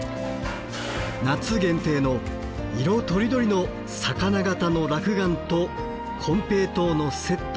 夏限定の色とりどりの魚形の落雁と金平糖のセット。